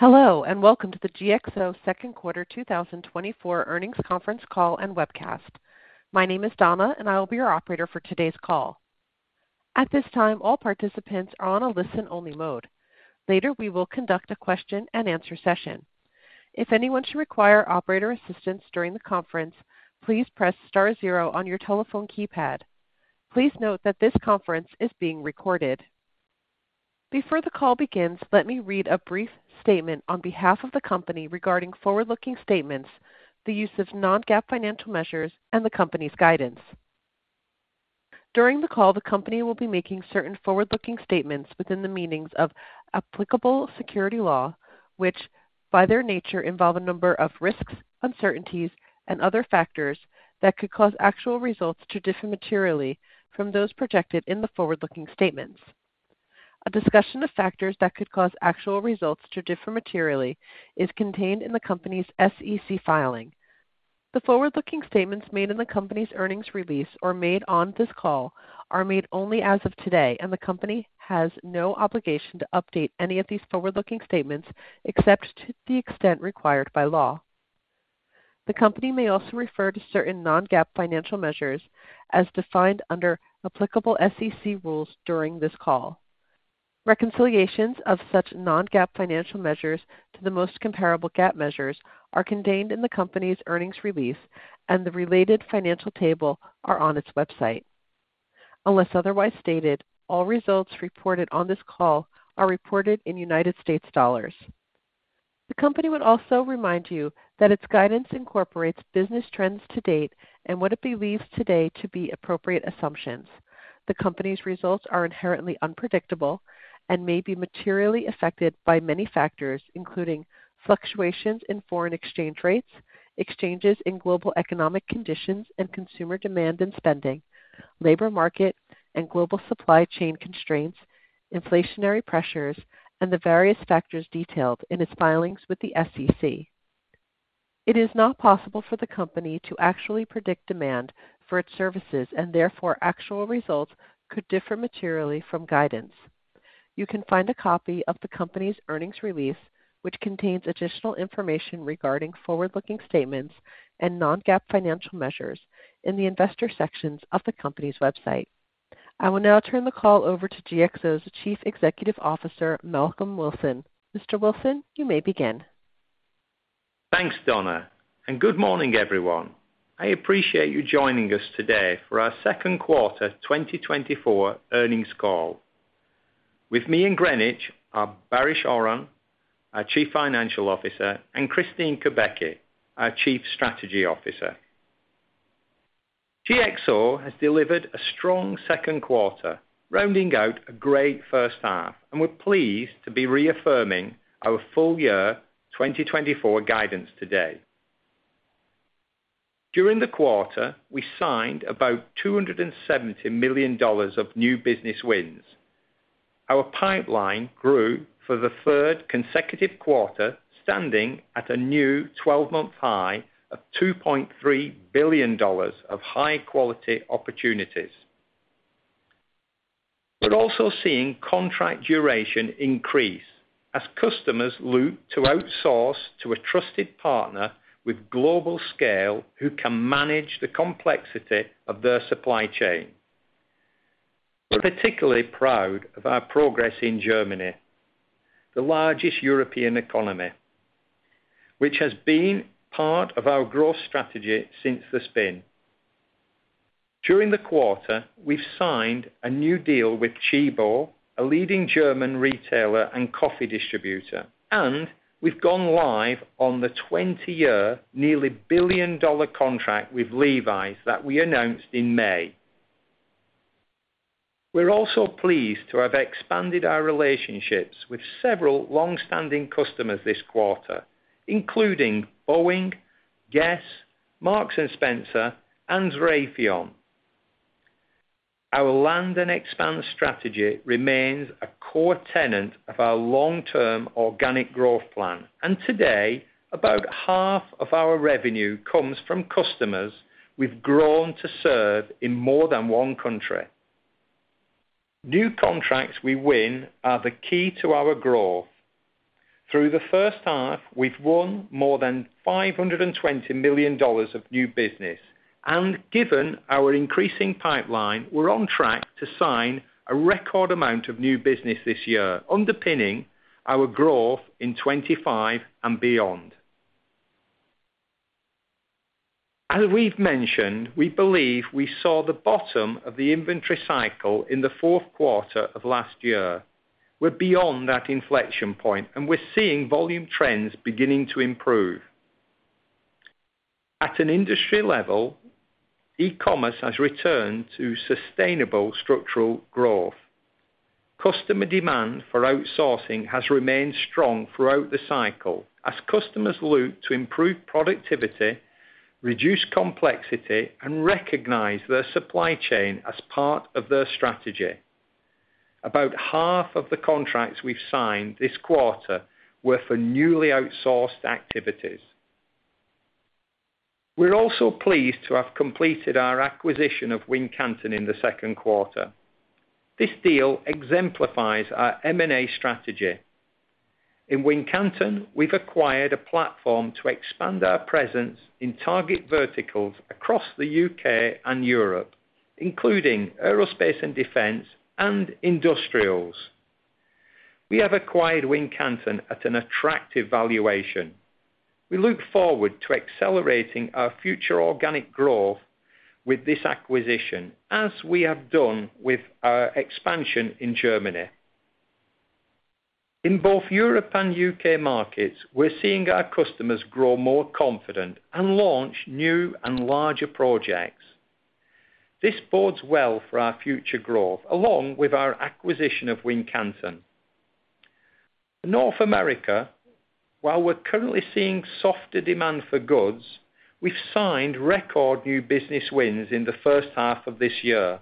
Hello, and welcome to the GXO second quarter 2024 earnings conference call and webcast. My name is Donna, and I will be your operator for today's call. At this time, all participants are on a listen-only mode. Later, we will conduct a question-and-answer session. If anyone should require operator assistance during the conference, please press star zero on your telephone keypad. Please note that this conference is being recorded. Before the call begins, let me read a brief statement on behalf of the company regarding forward-looking statements, the use of non-GAAP financial measures, and the company's guidance. During the call, the company will be making certain forward-looking statements within the meanings of applicable securities law, which, by their nature, involve a number of risks, uncertainties, and other factors that could cause actual results to differ materially from those projected in the forward-looking statements. A discussion of factors that could cause actual results to differ materially is contained in the company's SEC filing. The forward-looking statements made in the company's earnings release or made on this call are made only as of today, and the company has no obligation to update any of these forward-looking statements, except to the extent required by law. The company may also refer to certain non-GAAP financial measures as defined under applicable SEC rules during this call. Reconciliations of such non-GAAP financial measures to the most comparable GAAP measures are contained in the company's earnings release, and the related financial table are on its website. Unless otherwise stated, all results reported on this call are reported in United States dollars. The company would also remind you that its guidance incorporates business trends to date and what it believes today to be appropriate assumptions. The company's results are inherently unpredictable and may be materially affected by many factors, including fluctuations in foreign exchange rates, changes in global economic conditions and consumer demand and spending, labor market and global supply chain constraints, inflationary pressures, and the various factors detailed in its filings with the SEC. It is not possible for the company to actually predict demand for its services, and therefore, actual results could differ materially from guidance. You can find a copy of the company's earnings release, which contains additional information regarding forward-looking statements and non-GAAP financial measures in the investor sections of the company's website. I will now turn the call over to GXO's Chief Executive Officer, Malcolm Wilson. Mr. Wilson, you may begin. Thanks, Donna, and good morning, everyone. I appreciate you joining us today for our second quarter 2024 earnings call. With me in Greenwich are Baris Oran, our Chief Financial Officer, and Kristine Kubacki, our Chief Strategy Officer. GXO has delivered a strong second quarter, rounding out a great first half, and we're pleased to be reaffirming our full-year 2024 guidance today. During the quarter, we signed about $270 million of new business wins. Our pipeline grew for the third consecutive quarter, standing at a new 12-month high of $2.3 billion of high-quality opportunities. We're also seeing contract duration increase as customers look to outsource to a trusted partner with global scale, who can manage the complexity of their supply chain. We're particularly proud of our progress in Germany, the largest European economy, which has been part of our growth strategy since the spin. During the quarter, we've signed a new deal with Tchibo, a leading German retailer and coffee distributor, and we've gone live on the 20-year, nearly $1 billion contract with Levi's that we announced in May. We're also pleased to have expanded our relationships with several long-standing customers this quarter, including Boeing, Guess, Marks & Spencer, and Raytheon. Our land and expand strategy remains a core tenet of our long-term organic growth plan, and today, about half of our revenue comes from customers we've grown to serve in more than one country. New contracts we win are the key to our growth. Through the first half, we've won more than $520 million of new business, and given our increasing pipeline, we're on track to sign a record amount of new business this year, underpinning our growth in 2025 and beyond. As we've mentioned, we believe we saw the bottom of the inventory cycle in the fourth quarter of last year. We're beyond that inflection point, and we're seeing volume trends beginning to improve. At an industry level, e-commerce has returned to sustainable structural growth. Customer demand for outsourcing has remained strong throughout the cycle as customers look to improve productivity, reduce complexity, and recognize their supply chain as part of their strategy. About half of the contracts we've signed this quarter were for newly outsourced activities.... We're also pleased to have completed our acquisition of Wincanton in the second quarter. This deal exemplifies our M&A strategy. In Wincanton, we've acquired a platform to expand our presence in target verticals across the U.K. and Europe, including aerospace and defense, and industrials. We have acquired Wincanton at an attractive valuation. We look forward to accelerating our future organic growth with this acquisition, as we have done with our expansion in Germany. In both Europe and U.K. markets, we're seeing our customers grow more confident and launch new and larger projects. This bodes well for our future growth, along with our acquisition of Wincanton. In North America, while we're currently seeing softer demand for goods, we've signed record new business wins in the first half of this year.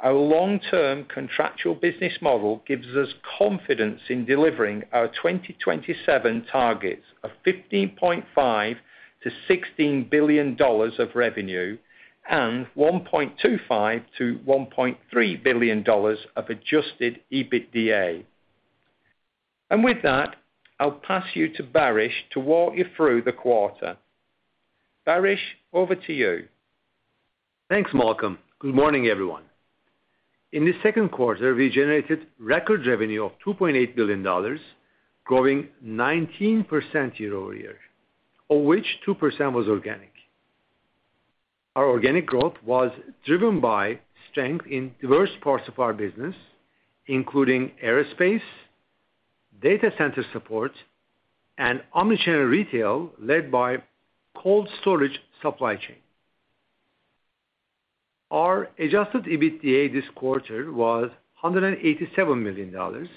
Our long-term contractual business model gives us confidence in delivering our 2027 targets of $15.5 billion-$16 billion of revenue, and $1.25 billion-$1.3 billion of Adjusted EBITDA. With that, I'll pass you to Baris to walk you through the quarter. Baris, over to you. Thanks, Malcolm. Good morning, everyone. In the second quarter, we generated record revenue of $2.8 billion, growing 19% year over year, of which 2% was organic. Our organic growth was driven by strength in diverse parts of our business, including aerospace, data center support, and omni-channel retail, led by cold storage supply chain. Our Adjusted EBITDA this quarter was $187 million,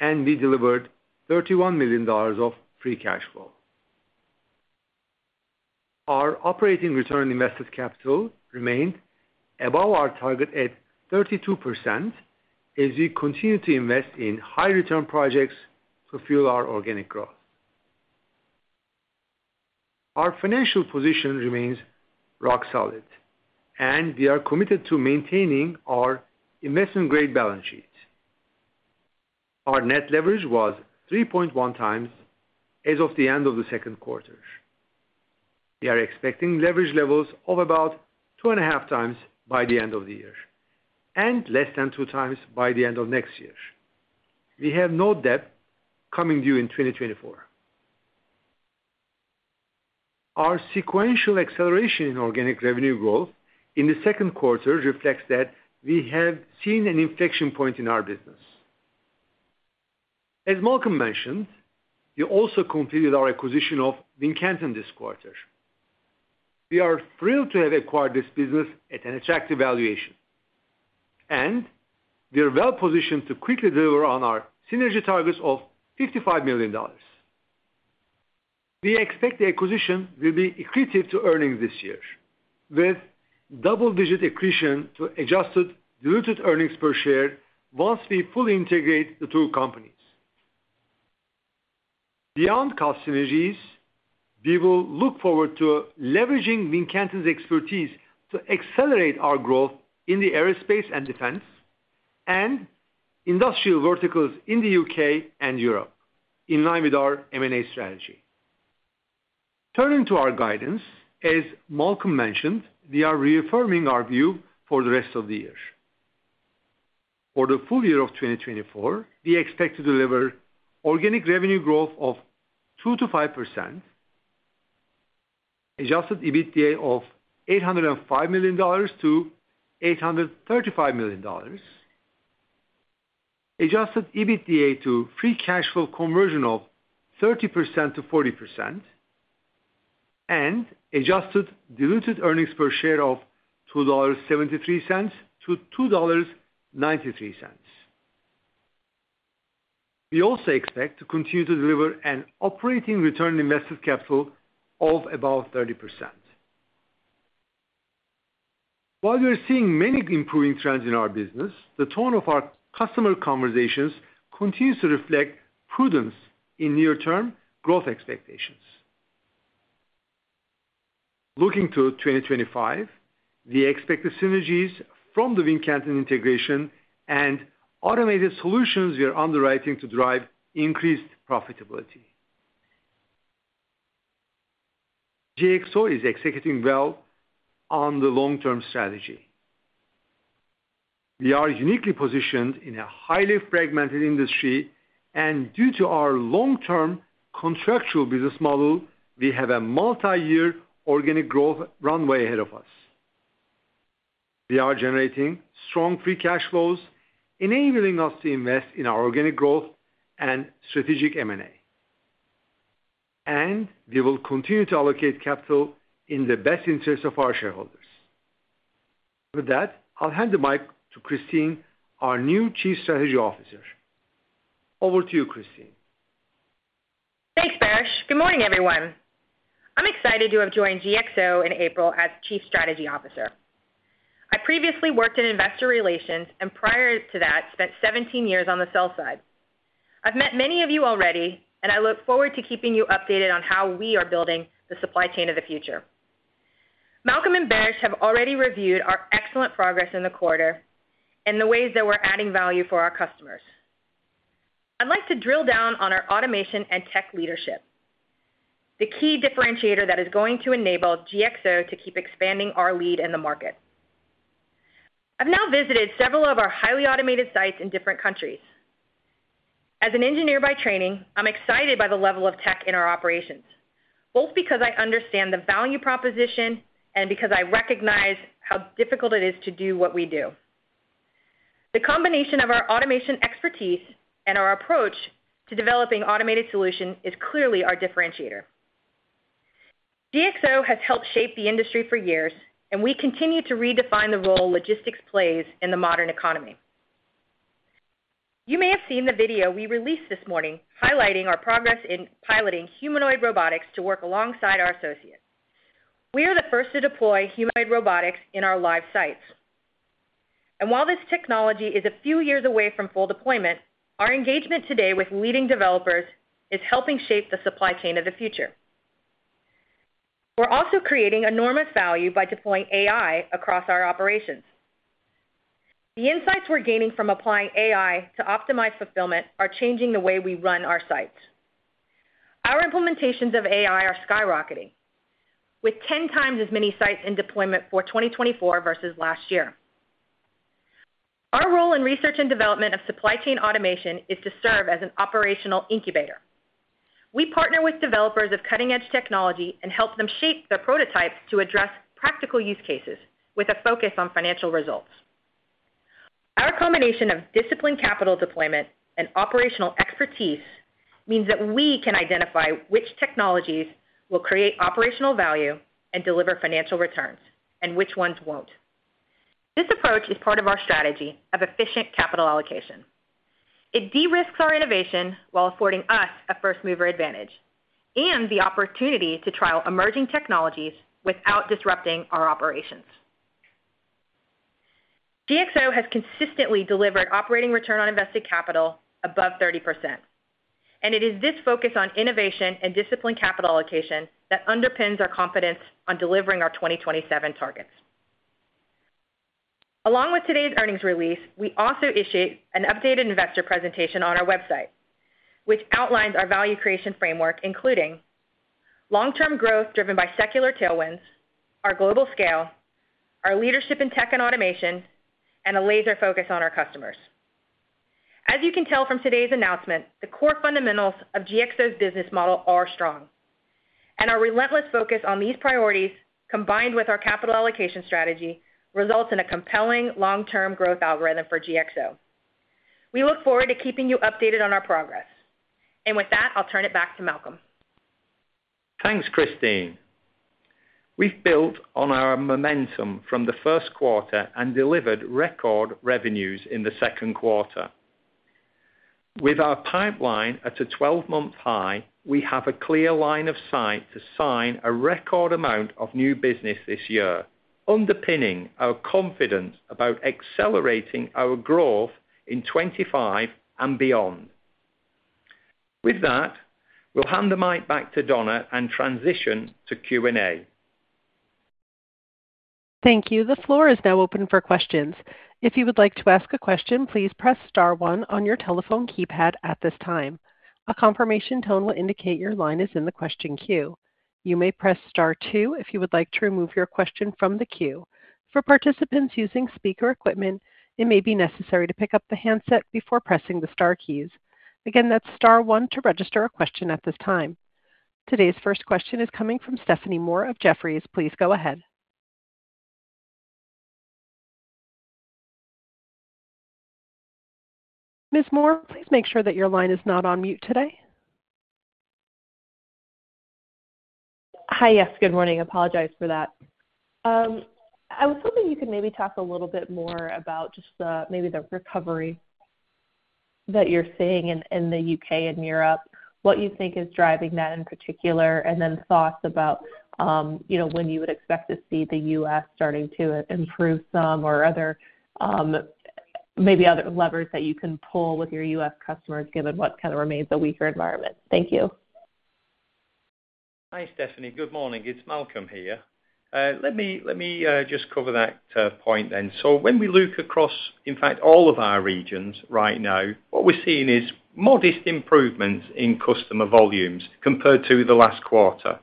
and we delivered $31 million of free cash flow. Our operating return on invested capital remained above our target at 32%, as we continue to invest in high return projects to fuel our organic growth. Our financial position remains rock solid, and we are committed to maintaining our investment-grade balance sheet. Our net leverage was 3.1 x as of the end of the second quarter. We are expecting leverage levels of about 2.5x by the end of the year, and less than 2x by the end of next year. We have no debt coming due in 2024. Our sequential acceleration in organic revenue growth in the second quarter reflects that we have seen an inflection point in our business. As Malcolm mentioned, we also completed our acquisition of Wincanton this quarter. We are thrilled to have acquired this business at an attractive valuation, and we are well positioned to quickly deliver on our synergy targets of $55 million. We expect the acquisition will be accretive to earnings this year, with double-digit accretion to adjusted diluted earnings per share once we fully integrate the two companies. Beyond cost synergies, we will look forward to leveraging Wincanton's expertise to accelerate our growth in the aerospace and defense, and industrial verticals in the U.K. and Europe, in line with our M&A strategy. Turning to our guidance, as Malcolm mentioned, we are reaffirming our view for the rest of the year. For the full year of 2024, we expect to deliver organic revenue growth of 2%-5%, Adjusted EBITDA of $805 million-$835 million, Adjusted EBITDA to free cash flow conversion of 30%-40%, and adjusted diluted earnings per share of $2.73-$2.93. We also expect to continue to deliver an operating return on invested capital of about 30%. While we are seeing many improving trends in our business, the tone of our customer conversations continues to reflect prudence in near-term growth expectations. Looking to 2025, we expect the synergies from the Wincanton integration and automated solutions we are underwriting to drive increased profitability. GXO is executing well on the long-term strategy. We are uniquely positioned in a highly fragmented industry, and due to our long-term contractual business model, we have a multiyear organic growth runway ahead of us. We are generating strong free cash flows, enabling us to invest in our organic growth and strategic M&A. And we will continue to allocate capital in the best interests of our shareholders. With that, I'll hand the mic to Kristine, our new Chief Strategy Officer. Over to you, Kristine. Thanks, Baris. Good morning, everyone. I'm excited to have joined GXO in April as Chief Strategy Officer. I previously worked in investor relations, and prior to that, spent 17 years on the sell-side. I've met many of you already, and I look forward to keeping you updated on how we are building the supply chain of the future. Malcolm and Baris have already reviewed our excellent progress in the quarter and the ways that we're adding value for our customers. I'd like to drill down on our automation and tech leadership, the key differentiator that is going to enable GXO to keep expanding our lead in the market. I've now visited several of our highly automated sites in different countries. As an engineer by training, I'm excited by the level of tech in our operations, both because I understand the value proposition and because I recognize how difficult it is to do what we do. The combination of our automation expertise and our approach to developing automated solution is clearly our differentiator. GXO has helped shape the industry for years, and we continue to redefine the role logistics plays in the modern economy. You may have seen the video we released this morning highlighting our progress in piloting humanoid robotics to work alongside our associates. We are the first to deploy humanoid robotics in our live sites. And while this technology is a few years away from full deployment, our engagement today with leading developers is helping shape the supply chain of the future. We're also creating enormous value by deploying AI across our operations. The insights we're gaining from applying AI to optimize fulfillment are changing the way we run our sites. Our implementations of AI are skyrocketing, with 10x as many sites in deployment for 2024 versus last year. Our role in research and development of supply chain automation is to serve as an operational incubator. We partner with developers of cutting-edge technology and help them shape their prototypes to address practical use cases with a focus on financial results. Our combination of disciplined capital deployment and operational expertise means that we can identify which technologies will create operational value and deliver financial returns, and which ones won't. This approach is part of our strategy of efficient capital allocation. It de-risks our innovation while affording us a first-mover advantage and the opportunity to trial emerging technologies without disrupting our operations. GXO has consistently delivered Operating Return on Invested Capital above 30%, and it is this focus on innovation and disciplined capital allocation that underpins our confidence on delivering our 2027 targets. Along with today's earnings release, we also issued an updated investor presentation on our website, which outlines our value creation framework, including long-term growth driven by secular tailwinds, our global scale, our leadership in tech and automation, and a laser focus on our customers. As you can tell from today's announcement, the core fundamentals of GXO's business model are strong, and our relentless focus on these priorities, combined with our capital allocation strategy, results in a compelling long-term growth algorithm for GXO. We look forward to keeping you updated on our progress. With that, I'll turn it back to Malcolm. Thanks, Kristine. We've built on our momentum from the first quarter and delivered record revenues in the second quarter. With our pipeline at a 12-month high, we have a clear line of sight to sign a record amount of new business this year, underpinning our confidence about accelerating our growth in 25 and beyond. With that, we'll hand the mic back to Donna and transition to Q&A. Thank you. The floor is now open for questions. If you would like to ask a question, please press star one on your telephone keypad at this time. A confirmation tone will indicate your line is in the question queue. You may press star two if you would like to remove your question from the queue. For participants using speaker equipment, it may be necessary to pick up the handset before pressing the star keys. Again, that's star one to register a question at this time. Today's first question is coming from Stephanie Moore of Jefferies. Please go ahead. Ms. Moore, please make sure that your line is not on mute today. Hi. Yes, good morning. Apologize for that. I was hoping you could maybe talk a little bit more about just the, maybe the recovery that you're seeing in the U.K. and Europe, what you think is driving that in particular, and then thoughts about, you know, when you would expect to see the U.S. starting to improve some or other, maybe other levers that you can pull with your U.S. customers, given what kind of remains a weaker environment. Thank you. Hi, Stephanie. Good morning. It's Malcolm here. Let me just cover that point then. So when we look across, in fact, all of our regions right now, what we're seeing is modest improvements in customer volumes compared to the last quarter.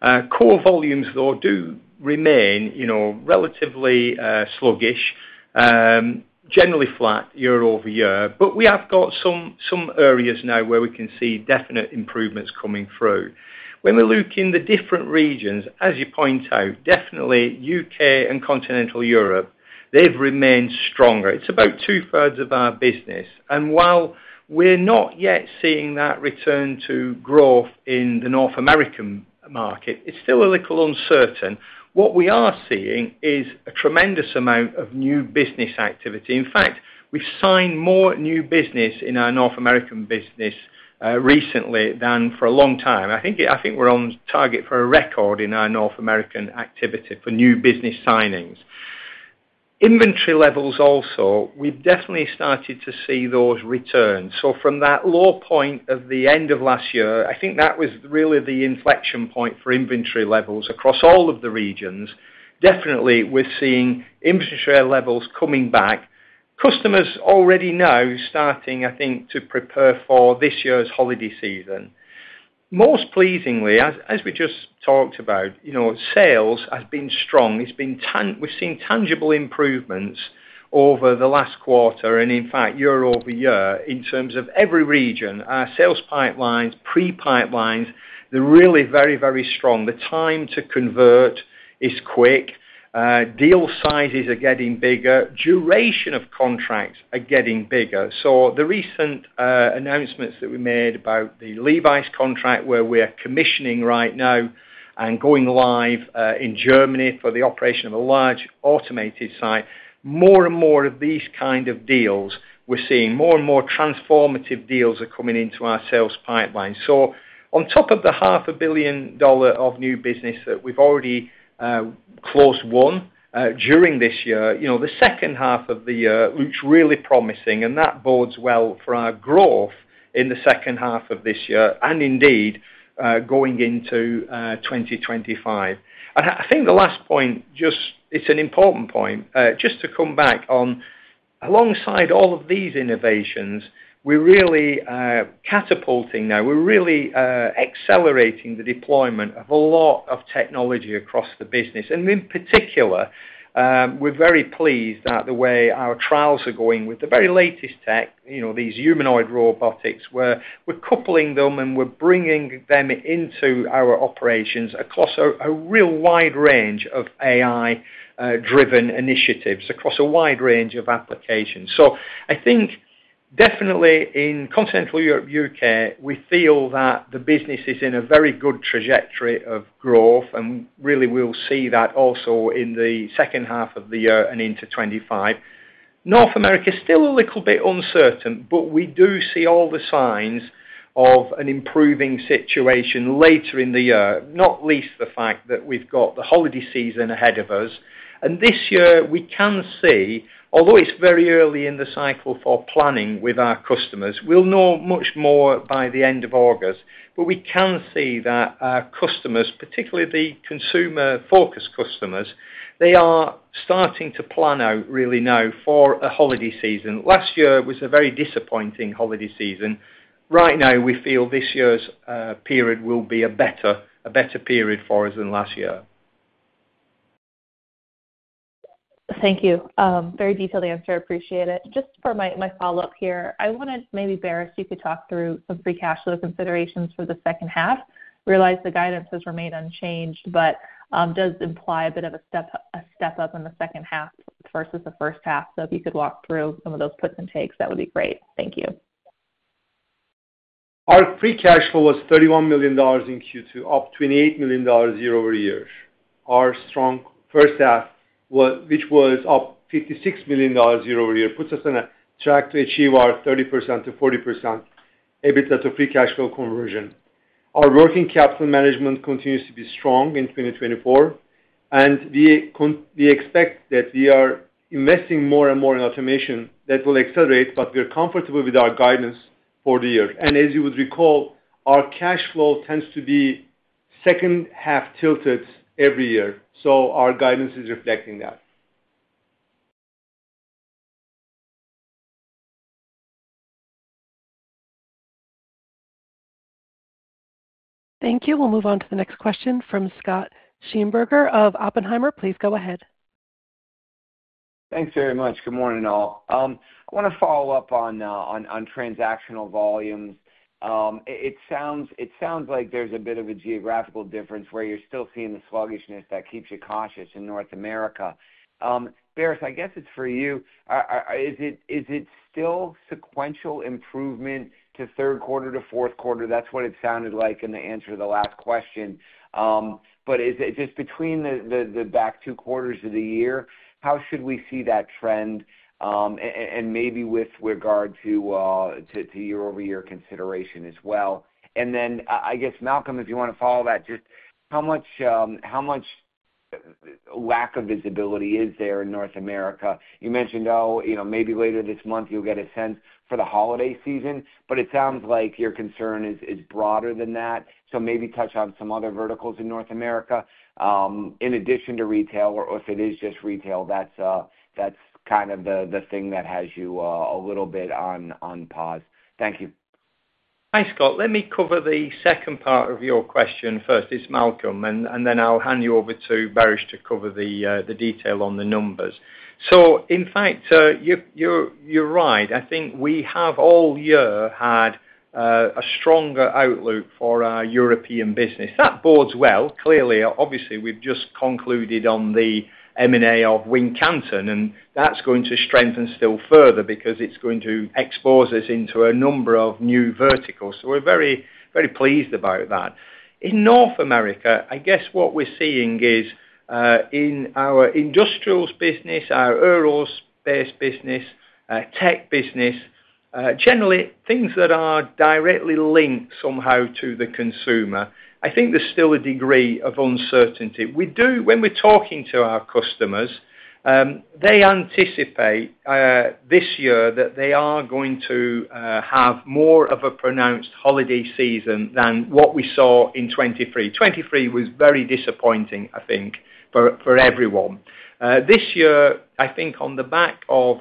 Core volumes, though, do remain, you know, relatively sluggish, generally flat year-over-year, but we have got some areas now where we can see definite improvements coming through. When we look in the different regions, as you point out, definitely U.K. and Continental Europe, they've remained stronger. It's about two-thirds of our business, and while we're not yet seeing that return to growth in the North American market, it's still a little uncertain. What we are seeing is a tremendous amount of new business activity. In fact, we've signed more new business in our North American business-... More recently than for a long time. I think we're on target for a record in our North American activity for new business signings. Inventory levels also, we've definitely started to see those return. So from that low point at the end of last year, I think that was really the inflection point for inventory levels across all of the regions. Definitely, we're seeing inventory levels coming back. Customers already now starting, I think, to prepare for this year's holiday season. Most pleasingly, as we just talked about, you know, sales has been strong. It's been. We've seen tangible improvements over the last quarter, and in fact, year-over-year, in terms of every region, our sales pipelines, pre-pipelines, they're really very, very strong. The time to convert is quick, deal sizes are getting bigger, duration of contracts are getting bigger. So the recent announcements that we made about the Levi's contract, where we're commissioning right now and going live in Germany for the operation of a large automated site, more and more of these kind of deals, we're seeing more and more transformative deals are coming into our sales pipeline. So on top of the $500 million of new business that we've already closed, won during this year, you know, the second half of the year looks really promising, and that bodes well for our growth in the second half of this year, and indeed, going into 2025. And I think the last point, just it's an important point. Just to come back on, alongside all of these innovations, we're really catapulting now. We're really accelerating the deployment of a lot of technology across the business. In particular, we're very pleased at the way our trials are going with the very latest tech, you know, these humanoid robotics, where we're coupling them, and we're bringing them into our operations across a real wide range of AI-driven initiatives, across a wide range of applications. So I think definitely in Continental Europe, U.K., we feel that the business is in a very good trajectory of growth, and really, we'll see that also in the second half of the year and into 2025. North America is still a little bit uncertain, but we do see all the signs of an improving situation later in the year, not least the fact that we've got the holiday season ahead of us. This year, we can see, although it's very early in the cycle for planning with our customers, we'll know much more by the end of August. We can see that our customers, particularly the consumer-focused customers, they are starting to plan out really now for a holiday season. Last year was a very disappointing holiday season. Right now, we feel this year's period will be a better, a better period for us than last year. Thank you. Very detailed answer. I appreciate it. Just for my follow-up here, I wanted maybe, Baris, you could talk through some free cash flow considerations for the second half. Realize the guidance has remained unchanged, but does imply a bit of a step up in the second half versus the first half. So if you could walk through some of those puts and takes, that would be great. Thank you. Our free cash flow was $31 million in Q2, up $28 million year-over-year. Our strong first half, which was up $56 million year-over-year, puts us on a track to achieve our 30%-40% EBITDA to free cash flow conversion. Our working capital management continues to be strong in 2024, and we expect that we are investing more and more in automation. That will accelerate, but we're comfortable with our guidance for the year. And as you would recall, our cash flow tends to be second half tilted every year, so our guidance is reflecting that. Thank you. We'll move on to the next question from Scott Schneeberger of Oppenheimer. Please go ahead. Thanks very much. Good morning, all. I wanna follow up on transactional volumes. It sounds like there's a bit of a geographical difference where you're still seeing the sluggishness that keeps you cautious in North America. Baris, I guess it's for you. Is it still sequential improvement to third quarter to fourth quarter? That's what it sounded like in the answer to the last question. But is it just between the back two quarters of the year, how should we see that trend? And maybe with regard to year-over-year consideration as well. And then, I guess, Malcolm, if you wanna follow that, just how much lack of visibility is there in North America? You mentioned, oh, you know, maybe later this month you'll get a sense for the holiday season, but it sounds like your concern is broader than that. So maybe touch on some other verticals in North America, in addition to retail, or if it is just retail, that's kind of the thing that has you a little bit on pause. Thank you. Hi, Scott. Let me cover the second part of your question first. It's Malcolm, and then I'll hand you over to Baris to cover the detail on the numbers. So in fact, you're right. I think we have all year had a stronger outlook for our European business. That bodes well. Clearly, obviously, we've just concluded on the M&A of Wincanton, and that's going to strengthen still further because it's going to expose us into a number of new verticals. So we're very, very pleased about that. In North America, I guess what we're seeing is in our industrials business, our aerospace business, tech business, generally, things that are directly linked somehow to the consumer. I think there's still a degree of uncertainty. When we're talking to our customers, they anticipate this year that they are going to have more of a pronounced holiday season than what we saw in 2023. 2023 was very disappointing, I think, for everyone. This year, I think on the back of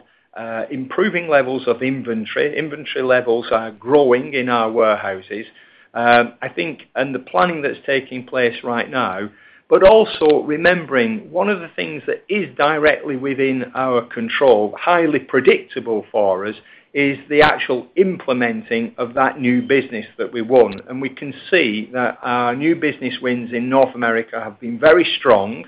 improving levels of inventory, inventory levels are growing in our warehouses. I think, and the planning that's taking place right now, but also remembering one of the things that is directly within our control, highly predictable for us, is the actual implementing of that new business that we won. And we can see that our new business wins in North America have been very strong.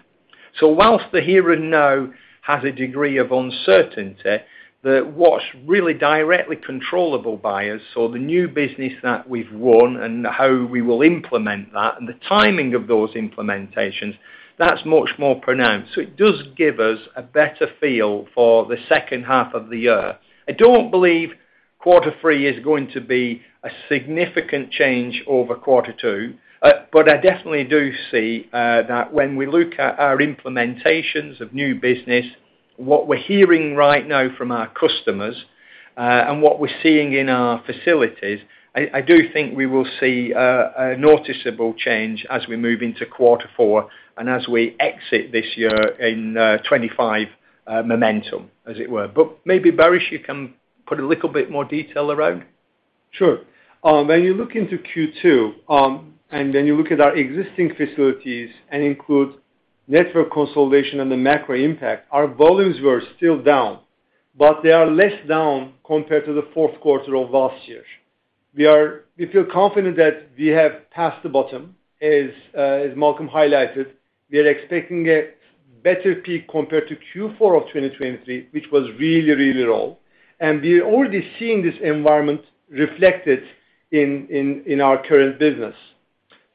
So while the here and now has a degree of uncertainty, that's what's really directly controllable by us, so the new business that we've won and how we will implement that and the timing of those implementations, that's much more pronounced. So it does give us a better feel for the second half of the year. I don't believe quarter three is going to be a significant change over quarter two, but I definitely do see that when we look at our implementations of new business, what we're hearing right now from our customers, and what we're seeing in our facilities, I do think we will see a noticeable change as we move into quarter four and as we exit this year in 2025 momentum, as it were. But maybe, Baris, you can put a little bit more detail around? Sure. When you look into Q2, and then you look at our existing facilities and include network consolidation and the macro impact, our volumes were still down, but they are less down compared to the fourth quarter of last year. We feel confident that we have passed the bottom. As Malcolm highlighted, we are expecting a better peak compared to Q4 of 2023, which was really, really low. And we're already seeing this environment reflected in our current business.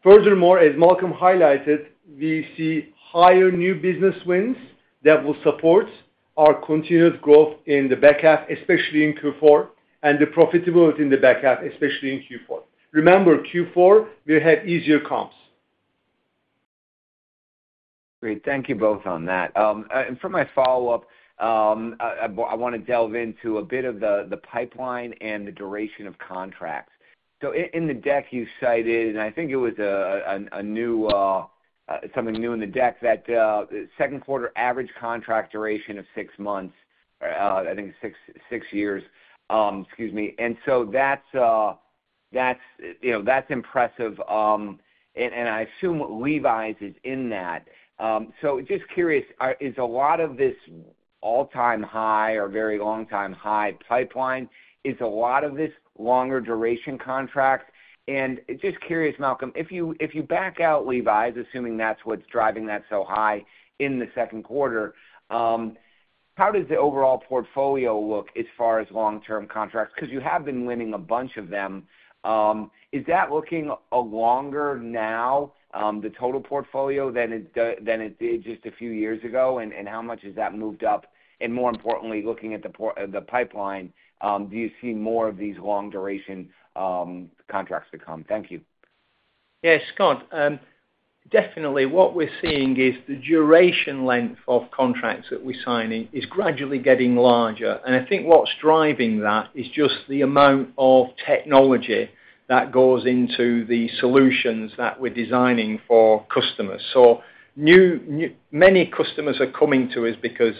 Furthermore, as Malcolm highlighted, we see higher new business wins that will support our continued growth in the back half, especially in Q4, and the profitability in the back half, especially in Q4. Remember, Q4, we had easier comps. Great. Thank you both on that. And for my follow-up, I want to delve into a bit of the pipeline and the duration of contracts. So in the deck you cited, and I think it was a new something new in the deck, that second quarter average contract duration of six months, I think six, six years, excuse me. And so that's, that's, you know, that's impressive, and I assume Levi's is in that. So just curious, is a lot of this all-time high or very long time high pipeline, is a lot of this longer duration contracts? And just curious, Malcolm, if you back out Levi's, assuming that's what's driving that so high in the second quarter, how does the overall portfolio look as far as long-term contracts? Because you have been winning a bunch of them. Is that looking longer now, the total portfolio than it did just a few years ago, and how much has that moved up? And more importantly, looking at the pipeline, do you see more of these long duration contracts to come? Thank you. Yeah, Scott, definitely what we're seeing is the duration length of contracts that we're signing is gradually getting larger. And I think what's driving that is just the amount of technology that goes into the solutions that we're designing for customers. So new many customers are coming to us because,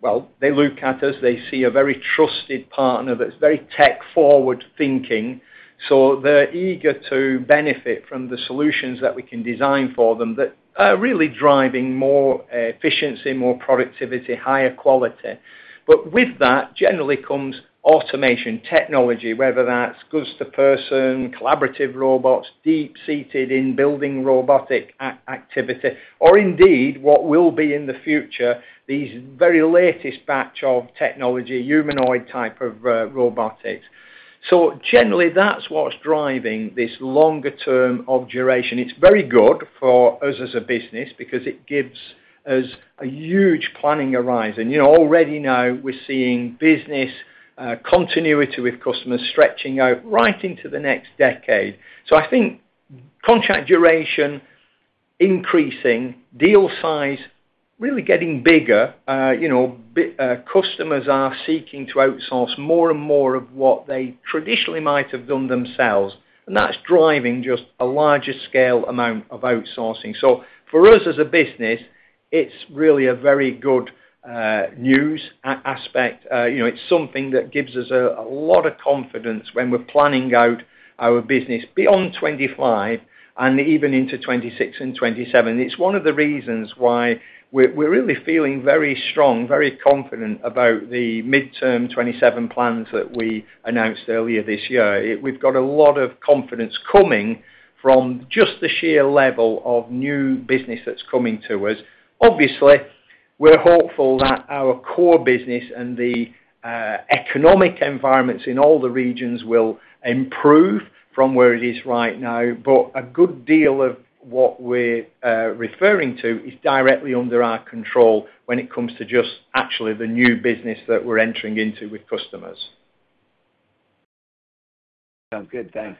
well, they look at us, they see a very trusted partner that's very tech-forward thinking, so they're eager to benefit from the solutions that we can design for them that are really driving more efficiency, more productivity, higher quality. But with that, generally comes automation technology, whether that's goods-to-person, collaborative robots, deep-seated in building robotic activity, or indeed, what will be in the future, these very latest batch of technology, humanoid type of robotics. So generally, that's what's driving this longer term of duration. It's very good for us as a business because it gives us a huge planning horizon. You know, already now we're seeing business continuity with customers stretching out right into the next decade. So I think contract duration increasing, deal size really getting bigger, you know, customers are seeking to outsource more and more of what they traditionally might have done themselves, and that's driving just a larger scale amount of outsourcing. So for us, as a business, it's really a very good news aspect. You know, it's something that gives us a lot of confidence when we're planning out our business beyond 2025 and even into 2026 and 2027. It's one of the reasons why we're really feeling very strong, very confident about the midterm 2027 plans that we announced earlier this year. We've got a lot of confidence coming from just the sheer level of new business that's coming to us. Obviously, we're hopeful that our core business and the economic environments in all the regions will improve from where it is right now, but a good deal of what we're referring to is directly under our control when it comes to just actually the new business that we're entering into with customers. Sounds good. Thanks.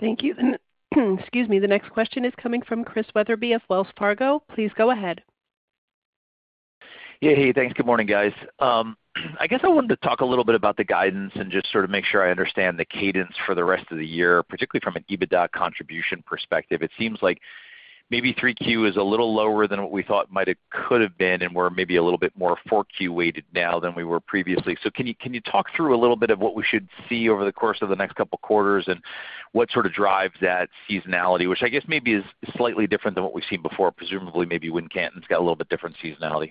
Thank you. Excuse me. The next question is coming from Chris Wetherbee of Wells Fargo. Please go ahead. Yeah, hey, thanks. Good morning, guys. I guess I wanted to talk a little bit about the guidance and just sort of make sure I understand the cadence for the rest of the year, particularly from an EBITDA contribution perspective. It seems like maybe Q3 is a little lower than what we thought might have, could have been, and we're maybe a little bit more Q4 weighted now than we were previously. So can you, can you talk through a little bit of what we should see over the course of the next couple of quarters, and what sort of drives that seasonality, which I guess maybe is slightly different than what we've seen before, presumably, maybe Wincanton's got a little bit different seasonality.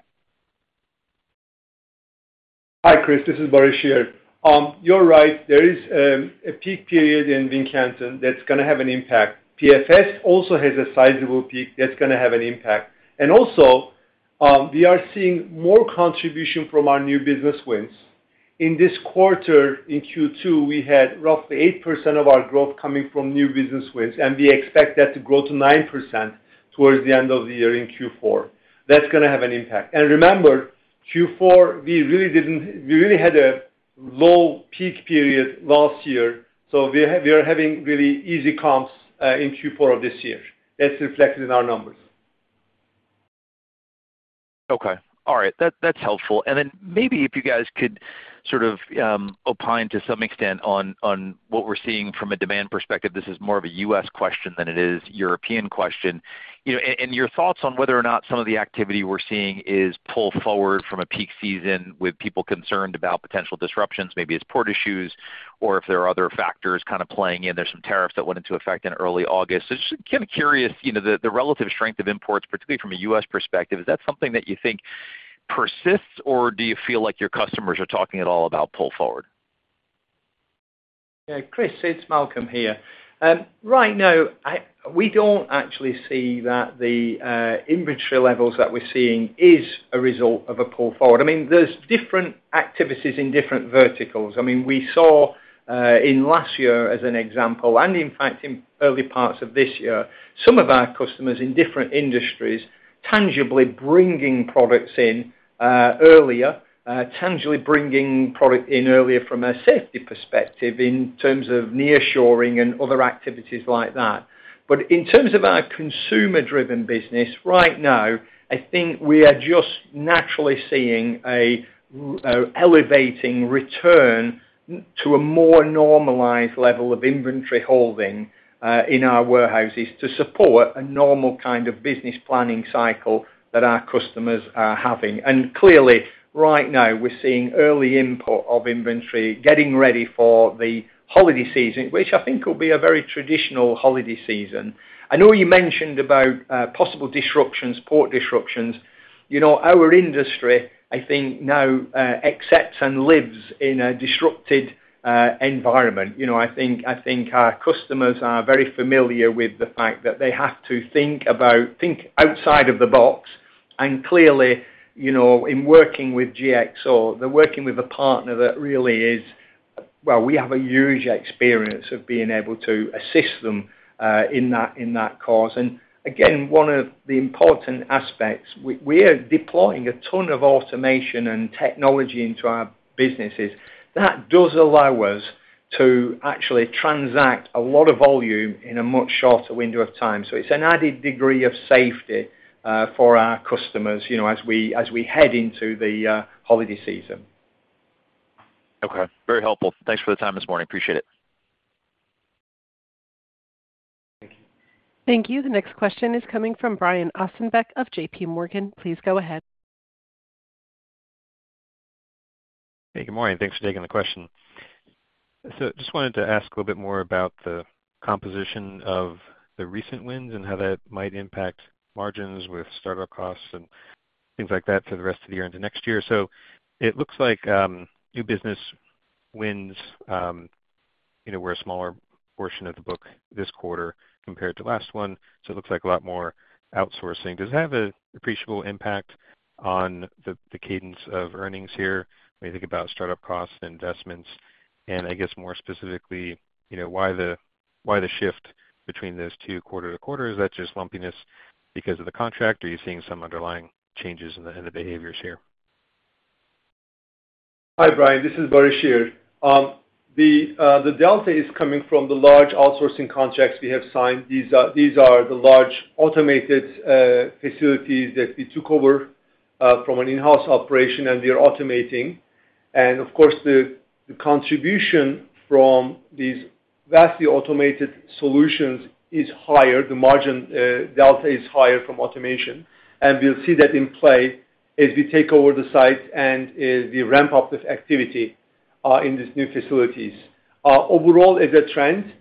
Hi, Chris. This is Baris here. You're right, there is a peak period in Wincanton that's gonna have an impact. PFS also has a sizable peak that's gonna have an impact. And also, we are seeing more contribution from our new business wins. In this quarter, in Q2, we had roughly 8% of our growth coming from new business wins, and we expect that to grow to 9% towards the end of the year in Q4. That's gonna have an impact. And remember, Q4, we really didn't, we really had a low peak period last year, so we are having really easy comps in Q4 of this year. That's reflected in our numbers. Okay. All right, that, that's helpful. And then maybe if you guys could sort of opine to some extent on what we're seeing from a demand perspective. This is more of a U.S. question than it is European question. You know, and your thoughts on whether or not some of the activity we're seeing is pull forward from a peak season with people concerned about potential disruptions, maybe it's port issues or if there are other factors kind of playing in. There's some tariffs that went into effect in early August. So just kind of curious, you know, the relative strength of imports, particularly from a U.S. perspective, is that something that you think persists, or do you feel like your customers are talking at all about pull forward? Yeah, Chris, it's Malcolm here. Right now, we don't actually see that the inventory levels that we're seeing is a result of a pull forward. I mean, there's different activities in different verticals. I mean, we saw in last year, as an example, and in fact, in early parts of this year, some of our customers in different industries tangibly bringing products in earlier, tangibly bringing product in earlier from a safety perspective in terms of nearshoring and other activities like that. But in terms of our consumer-driven business, right now, I think we are just naturally seeing a elevating return to a more normalized level of inventory holding in our warehouses to support a normal kind of business planning cycle that our customers are having. Clearly, right now, we're seeing early import of inventory, getting ready for the holiday season, which I think will be a very traditional holiday season. I know you mentioned about possible disruptions, port disruptions. You know, our industry, I think now, accepts and lives in a disrupted environment. You know, I think our customers are very familiar with the fact that they have to think about, think outside of the box, and clearly, you know, in working with GXO, they're working with a partner that really is... Well, we have a huge experience of being able to assist them in that cause. And again, one of the important aspects, we are deploying a ton of automation and technology into our businesses. That does allow us to actually transact a lot of volume in a much shorter window of time. It's an added degree of safety for our customers, you know, as we head into the holiday season. Okay. Very helpful. Thanks for the time this morning. Appreciate it. Thank you. The next question is coming from Brian Ossenbeck of J.P. Morgan. Please go ahead. Hey, good morning. Thanks for taking the question. So just wanted to ask a little bit more about the composition of the recent wins and how that might impact margins with startup costs and things like that for the rest of the year into next year. So it looks like new business wins, you know, were a smaller portion of the book this quarter compared to last one, so it looks like a lot more outsourcing. Does it have an appreciable impact on the cadence of earnings here when you think about startup costs and investments? And I guess more specifically, you know, why the shift between those two quarter to quarter? Is that just lumpiness because of the contract, or are you seeing some underlying changes in the behaviors here? Hi, Brian. This is Baris here. The delta is coming from the large outsourcing contracts we have signed. These are, these are the large automated facilities that we took over from an in-house operation, and we are automating. And of course, the contribution from these vastly automated solutions is higher. The margin delta is higher from automation, and we'll see that in play as we take over the site and as we ramp up the activity in these new facilities. Overall, as a trend,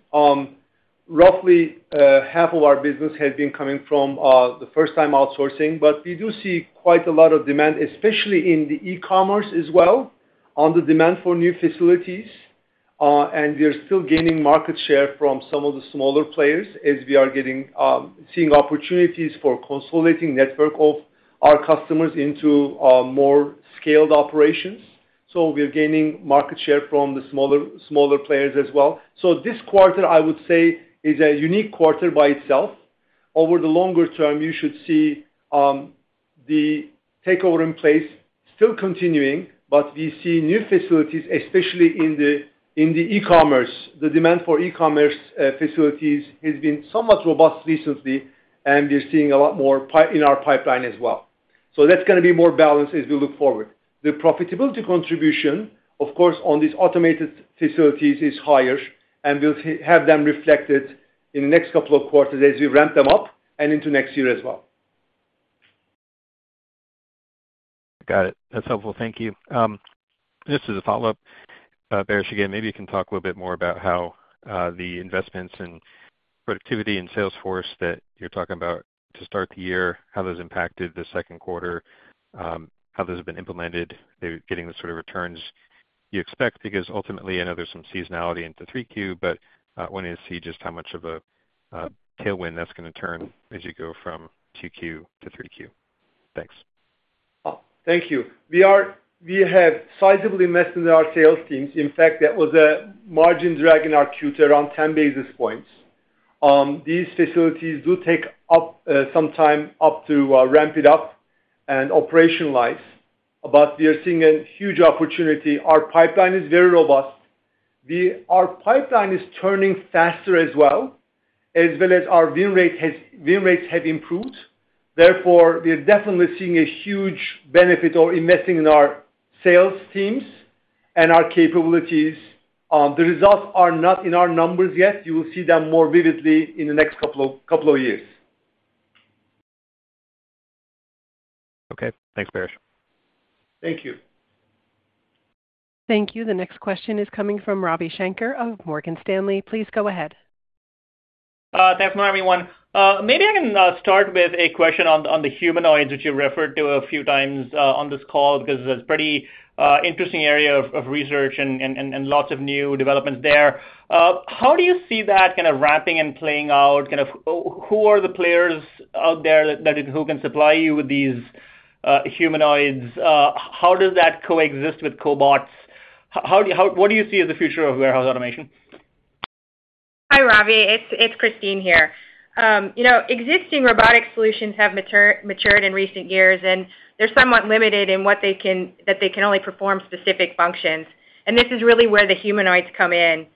roughly, half of our business has been coming from the first-time outsourcing, but we do see quite a lot of demand, especially in the e-commerce as well, on the demand for new facilities. And we are still gaining market share from some of the smaller players as we are getting, seeing opportunities for consolidating network of our customers into, more scaled operations. So we are gaining market share from the smaller, smaller players as well. So this quarter, I would say, is a unique quarter by itself. Over the longer term, you should see, the takeover in place still continuing, but we see new facilities, especially in the, in the e-commerce. The demand for e-commerce, facilities has been somewhat robust recently, and we're seeing a lot more pipeline in our pipeline as well. So that's gonna be more balanced as we look forward. The profitability contribution, of course, on these automated facilities is higher, and we'll see- have them reflected in the next couple of quarters as we ramp them up and into next year as well. Got it. That's helpful. Thank you. Just as a follow-up, Baris, again, maybe you can talk a little bit more about how, the investments in productivity and sales force that you're talking about to start the year, how those impacted the second quarter, how those have been implemented. They're getting the sort of returns you expect, because ultimately, I know there's some seasonality into three Q, but, wanting to see just how much of a, tailwind that's gonna turn as you go from two Q to three Q. Thanks. Oh, thank you. We have sizably invested in our sales teams. In fact, that was a margin drag in our Q around 10 basis points. These facilities do take up some time up to ramp it up and operationalize, but we are seeing a huge opportunity. Our pipeline is very robust. Our pipeline is turning faster as well as our win rates have improved. Therefore, we are definitely seeing a huge benefit of investing in our sales teams and our capabilities. The results are not in our numbers yet. You will see them more vividly in the next couple of years. Okay, thanks, Baris. Thank you. Thank you. The next question is coming from Ravi Shanker of Morgan Stanley. Please go ahead. Thanks, everyone. Maybe I can start with a question on the humanoids, which you referred to a few times on this call, because it's a pretty interesting area of research and lots of new developments there. How do you see that kind of ramping and playing out? Kind of, who are the players out there that can supply you with these humanoids? How does that coexist with cobots? How... What do you see as the future of warehouse automation? Hi, Ravi. It's Kristine here. You know, existing robotic solutions have matured in recent years, and they're somewhat limited in that they can only perform specific functions, and this is really where the humanoids come in.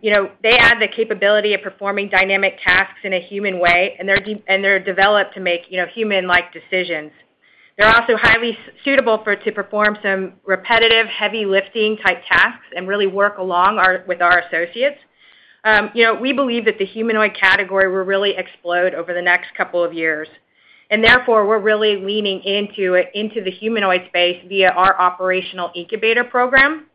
You know, they add the capability of performing dynamic tasks in a human way, and they're developed to make, you know, human-like decisions. They're also highly suitable to perform some repetitive, heavy lifting type tasks and really work with our associates. You know, we believe that the humanoid category will really explode over the next couple of years, and therefore, we're really leaning into it, into the humanoid space via our operational incubator program.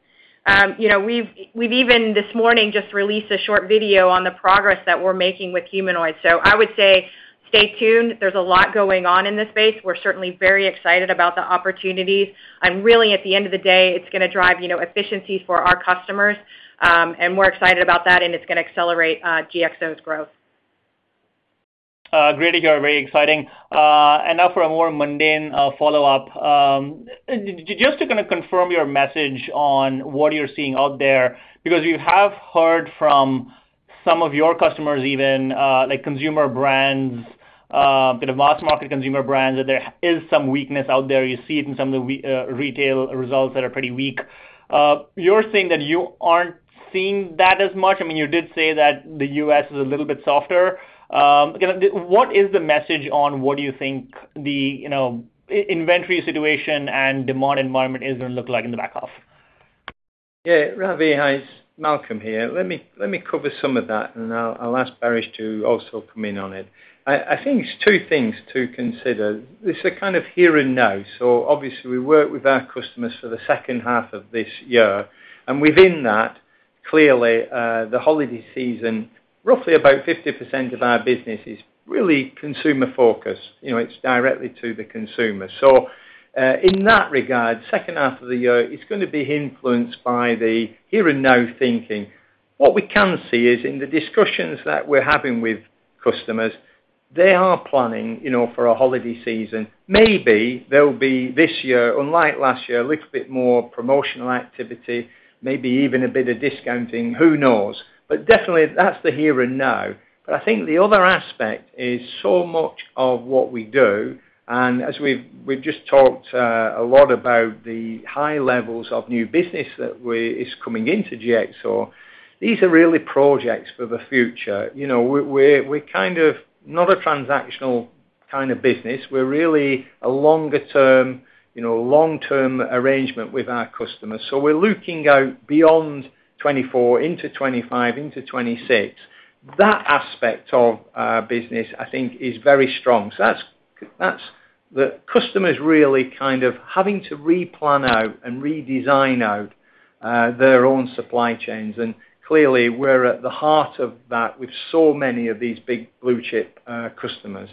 You know, we've even this morning just released a short video on the progress that we're making with humanoids. So I would say stay tuned. There's a lot going on in this space. We're certainly very excited about the opportunities. And really, at the end of the day, it's gonna drive, you know, efficiency for our customers, and we're excited about that, and it's gonna accelerate GXO's growth. Great to hear, very exciting. And now for a more mundane follow-up. Just to kind of confirm your message on what you're seeing out there, because you have heard from some of your customers even, like consumer brands, bit of mass market consumer brands, that there is some weakness out there. You see it in some of the retail results that are pretty weak. You're saying that you aren't seeing that as much. I mean, you did say that the U.S. is a little bit softer. Kind of, what is the message on what you think the, you know, inventory situation and demand environment is gonna look like in the back half? Yeah, Ravi, hi, it's Malcolm here. Let me cover some of that, and I'll ask Baris to also come in on it. I think it's two things to consider. It's a kind of here and now, so obviously we work with our customers for the second half of this year, and within that, clearly, the holiday season, roughly about 50% of our business is really consumer focused. You know, it's directly to the consumer. So, in that regard, second half of the year, it's gonna be influenced by the here and now thinking. What we can see is in the discussions that we're having with customers, they are planning, you know, for a holiday season. Maybe there'll be, this year, unlike last year, a little bit more promotional activity, maybe even a bit of discounting. Who knows? But definitely, that's the here and now. But I think the other aspect is so much of what we do, and as we've just talked, a lot about the high levels of new business that is coming into GXO, these are really projects for the future. You know, we're kind of not a transactional kind of business. We're really a longer term, you know, long-term arrangement with our customers. So we're looking out beyond 2024 into 2025, into 2026. That aspect of our business, I think, is very strong. So that's the customers really kind of having to replan out and redesign out their own supply chains, and clearly, we're at the heart of that with so many of these big blue chip customers.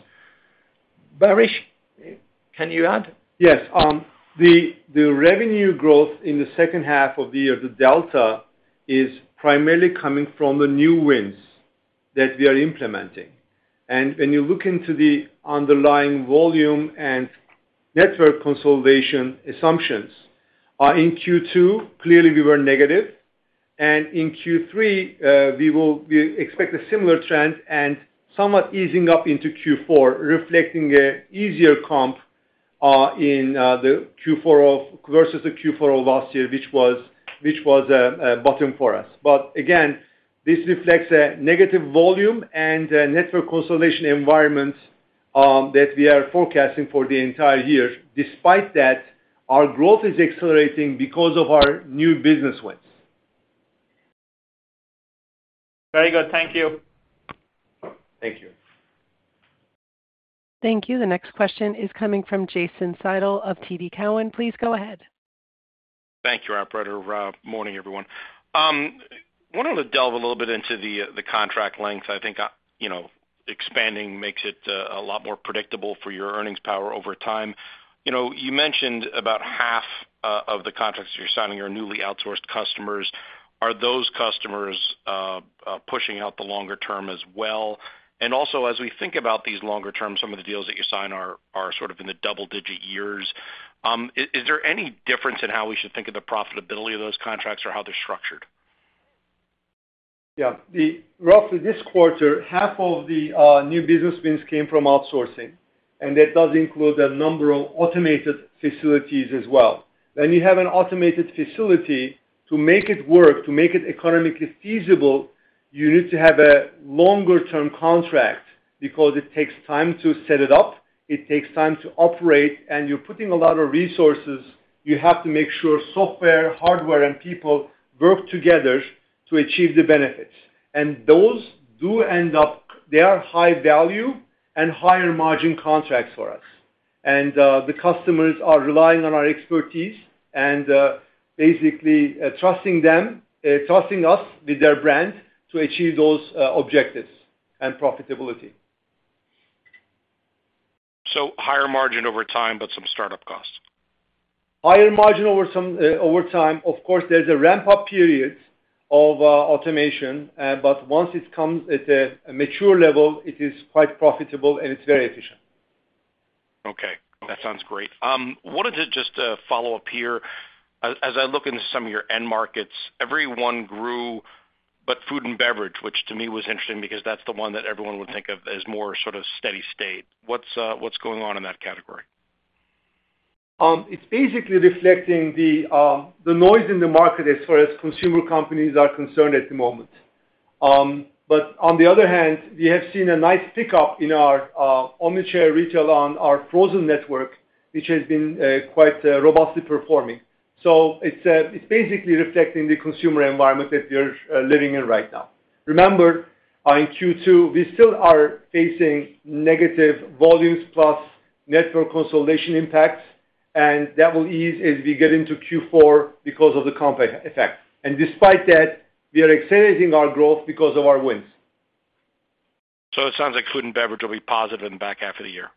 Baris, can you add? Yes, the revenue growth in the second half of the year, the delta, is primarily coming from the new wins that we are implementing. And when you look into the underlying volume and network consolidation assumptions, in Q2, clearly we were negative. And in Q3, we expect a similar trend and somewhat easing up into Q4, reflecting an easier comp, in the Q4 versus the Q4 of last year, which was a bottom for us. But again, this reflects a negative volume and a network consolidation environment, that we are forecasting for the entire year. Despite that, our growth is accelerating because of our new business wins. Very good. Thank you. Thank you. Thank you. The next question is coming from Jason Seidl of TD Cowen. Please go ahead. Thank you, operator. Morning, everyone. Wanted to delve a little bit into the contract length. I think, you know, expanding makes it a lot more predictable for your earnings power over time. You know, you mentioned about half of the contracts that you're signing are newly outsourced customers. Are those customers pushing out the longer term as well? And also, as we think about these longer term, some of the deals that you sign are sort of in the double digit years, is there any difference in how we should think of the profitability of those contracts or how they're structured? Yeah. Roughly this quarter, half of the new business wins came from outsourcing, and that does include a number of automated facilities as well. When you have an automated facility, to make it work, to make it economically feasible, you need to have a longer term contract because it takes time to set it up, it takes time to operate, and you're putting a lot of resources. You have to make sure software, hardware, and people work together to achieve the benefits. And those do end up... They are high value and higher margin contracts for us. And, the customers are relying on our expertise and, basically, trusting them, trusting us with their brand to achieve those, objectives and profitability. Higher margin over time, but some startup costs? Higher margin over some, over time. Of course, there's a ramp-up period of automation, but once it comes at a mature level, it is quite profitable and it's very efficient. Okay. That sounds great. Wanted to just follow up here. As I look into some of your end markets, everyone grew, but food and beverage, which to me was interesting because that's the one that everyone would think of as more sort of steady state. What's going on in that category? It's basically reflecting the noise in the market as far as consumer companies are concerned at the moment. But on the other hand, we have seen a nice pickup in our omni-channel retail on our frozen network, which has been quite robustly performing. So it's basically reflecting the consumer environment that we're living in right now. Remember, in Q2, we still are facing negative volumes plus network consolidation impacts, and that will ease as we get into Q4 because of the comp effect. And despite that, we are accelerating our growth because of our wins. So it sounds like food and beverage will be positive in the back half of the year?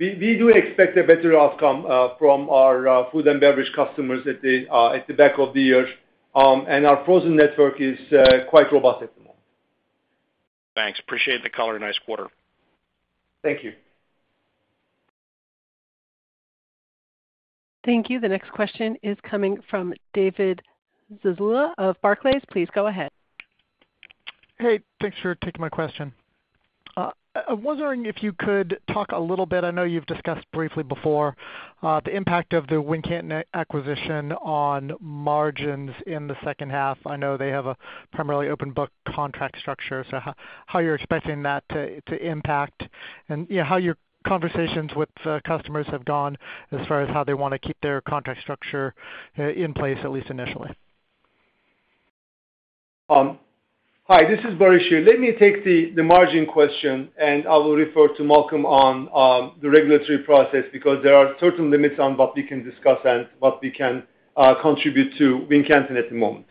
We do expect a better outcome from our food and beverage customers at the back of the year. And our frozen network is quite robust at the moment. Thanks. Appreciate the color. Nice quarter. Thank you. Thank you. The next question is coming from David Zazula of Barclays. Please go ahead. Hey, thanks for taking my question. I'm wondering if you could talk a little bit. I know you've discussed briefly before, the impact of the Wincanton acquisition on margins in the second half. I know they have a primarily open book contract structure, so how are you expecting that to impact? And, yeah, how your conversations with customers have gone as far as how they wanna keep their contract structure in place, at least initially. Hi, this is Baris here. Let me take the margin question, and I will refer to Malcolm on the regulatory process, because there are certain limits on what we can discuss and what we can contribute to Wincanton at the moment.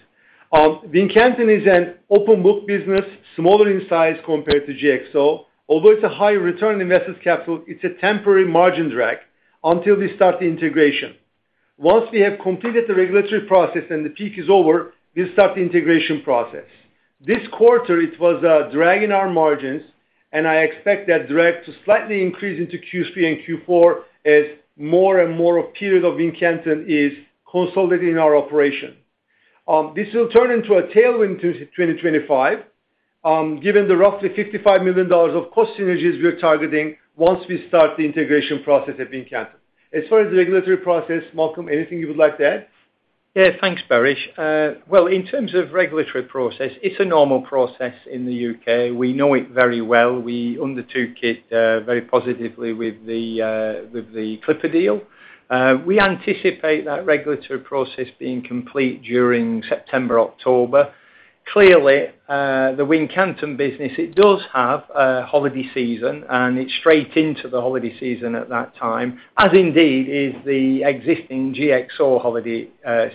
Wincanton is an open book business, smaller in size compared to GXO. Although it's a high return on invested capital, it's a temporary margin drag until we start the integration. Once we have completed the regulatory process and the peak is over, we'll start the integration process. This quarter, it was dragging our margins, and I expect that drag to slightly increase into Q3 and Q4 as more and more of period of Wincanton is consolidated in our operation. This will turn into a tailwind in 2025, given the roughly $55 million of cost synergies we're targeting once we start the integration process at Wincanton. As far as the regulatory process, Malcolm, anything you would like to add? Yeah, thanks, Baris. Well, in terms of regulatory process, it's a normal process in the U.K. We know it very well. We undertook it very positively with the Clipper deal. We anticipate that regulatory process being complete during September, October. Clearly, the Wincanton business, it does have a holiday season, and it's straight into the holiday season at that time, as indeed is the existing GXO holiday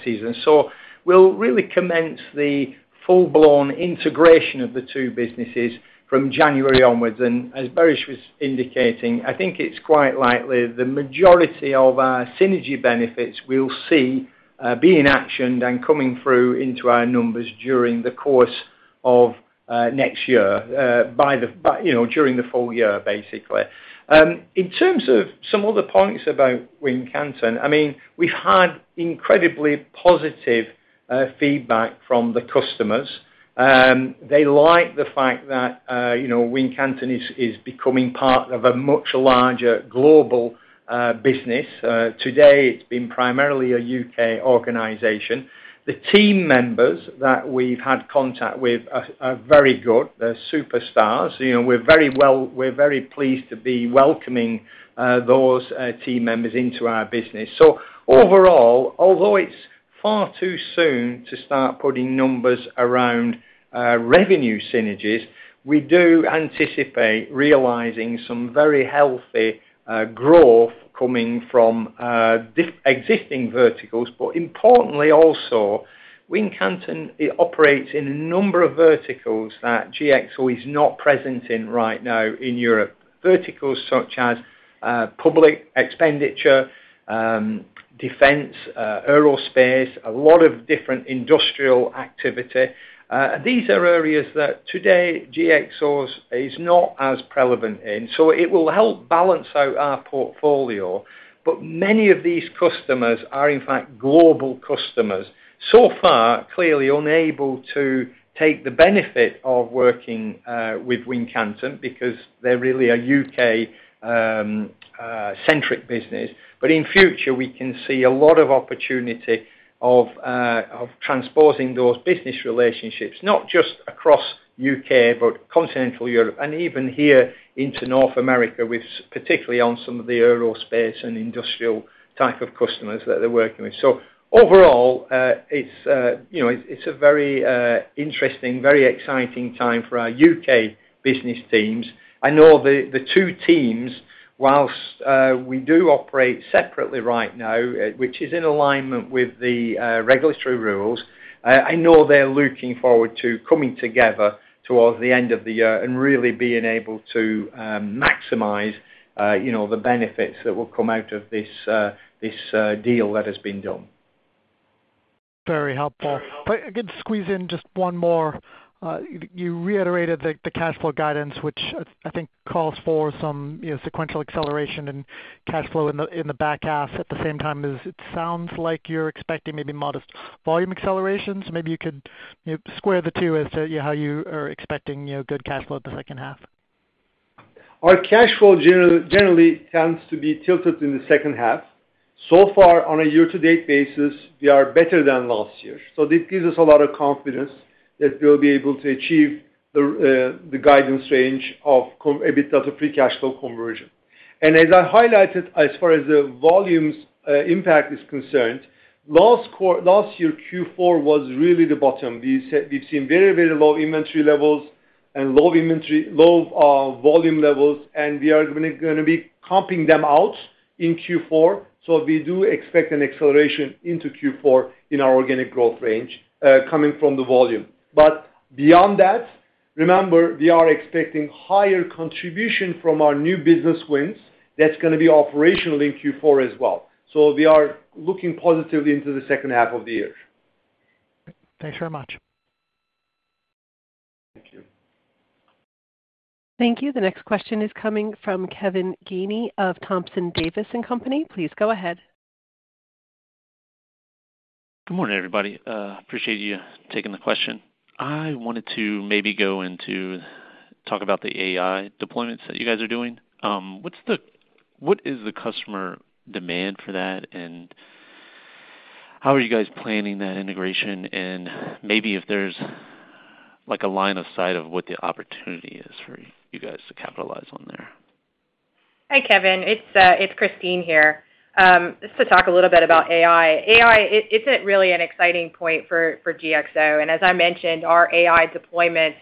season. So we'll really commence the full-blown integration of the two businesses from January onwards. And as Baris was indicating, I think it's quite likely the majority of our synergy benefits we'll see being actioned and coming through into our numbers during the course of next year, by you know, during the full year, basically. In terms of some other points about Wincanton, I mean, we've had incredibly positive feedback from the customers. They like the fact that, you know, Wincanton is becoming part of a much larger global business. Today, it's been primarily a U.K. organization. The team members that we've had contact with are very good. They're superstars. You know, we're very pleased to be welcoming those team members into our business. So overall, although it's far too soon to start putting numbers around revenue synergies, we do anticipate realizing some very healthy growth coming from the existing verticals. But importantly, also, Wincanton operates in a number of verticals that GXO is not present in right now in Europe. Verticals such as public expenditure, defense, aerospace, a lot of different industrial activity. These are areas that today GXO is not as relevant in, so it will help balance out our portfolio. But many of these customers are, in fact, global customers. So far, clearly unable to take the benefit of working with Wincanton because they're really a U.K.-centric business. But in future, we can see a lot of opportunity of transporting those business relationships, not just across U.K., but Continental Europe and even here into North America, with particularly on some of the aerospace and industrial type of customers that they're working with. So overall, it's, you know, it's a very interesting, very exciting time for our U.K. business teams. I know the two teams, whilst we do operate separately right now, which is in alignment with the regulatory rules. I know they're looking forward to coming together towards the end of the year and really being able to maximize, you know, the benefits that will come out of this deal that has been done. Very helpful. But I could squeeze in just one more. You reiterated the cash flow guidance, which I think calls for some, you know, sequential acceleration and cash flow in the back half. At the same time, it sounds like you're expecting maybe modest volume accelerations. Maybe you could, you know, square the two as to how you are expecting, you know, good cash flow in the second half. Our cash flow generally tends to be tilted in the second half. So far, on a year-to-date basis, we are better than last year, so this gives us a lot of confidence that we'll be able to achieve the guidance range of a bit of a free cash flow conversion. And as I highlighted, as far as the volumes impact is concerned, last year, Q4 was really the bottom. We've seen very, very low inventory levels and low inventory, low volume levels, and we are gonna be comping them out in Q4. So we do expect an acceleration into Q4 in our organic growth range coming from the volume. But beyond that, remember, we are expecting higher contribution from our new business wins. That's gonna be operational in Q4 as well. We are looking positively into the second half of the year. Thanks very much. Thank you. Thank you. The next question is coming from Kevin Gainey of Thompson Davis & Co. Please go ahead. Good morning, everybody. Appreciate you taking the question. I wanted to maybe go into talk about the AI deployments that you guys are doing. What's the... What is the customer demand for that, and how are you guys planning that integration? And maybe if there's, like, a line of sight of what the opportunity is for you guys to capitalize on there. Hi, Kevin. It's Kristine here. Just to talk a little bit about AI. AI is at really an exciting point for GXO, and as I mentioned, our AI deployments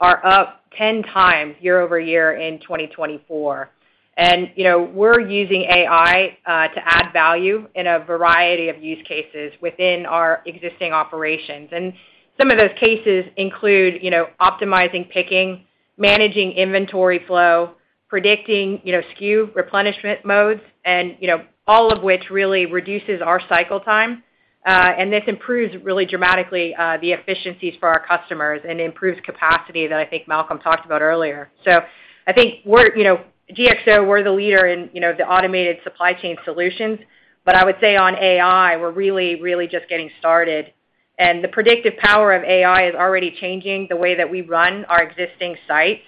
are up 10x year-over-year in 2024. And, you know, we're using AI to add value in a variety of use cases within our existing operations. And some of those cases include, you know, optimizing picking, managing inventory flow, predicting, you know, SKU replenishment modes, and, you know, all of which really reduces our cycle time. And this improves really dramatically the efficiencies for our customers and improves capacity that I think Malcolm talked about earlier. So I think we're, you know, GXO, we're the leader in, you know, the automated supply chain solutions, but I would say on AI, we're really, really just getting started. The predictive power of AI is already changing the way that we run our existing sites,